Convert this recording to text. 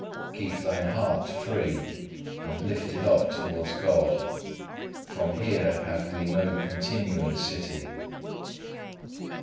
Keep thine heart free, and lifted up towards God, for here have we no continuing city.